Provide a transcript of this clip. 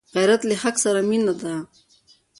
غیرت له حق سره مینه ده